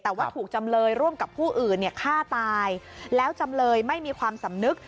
แต่ว่าถูกจำเลยร่วมกับผู้อื่นเนี่ยฆ่าตายแล้วจำเลยไม่มีความสำนึก